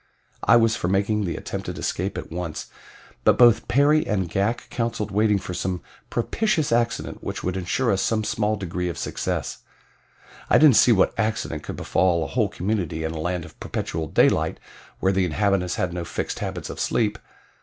I was for making the attempted escape at once, but both Perry and Ghak counseled waiting for some propitious accident which would insure us some small degree of success. I didn't see what accident could befall a whole community in a land of perpetual daylight where the inhabitants had no fixed habits of sleep.